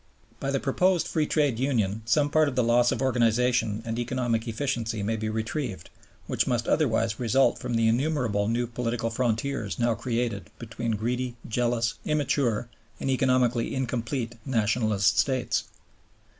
By the proposed Free Trade Union some part of the loss of organization and economic efficiency may be retrieved, which must otherwise result from the innumerable new political frontiers now created between greedy, jealous, immature, and economically incomplete nationalist States.